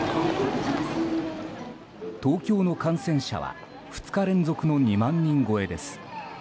東京の感染者は、２日連続の２万人超えです。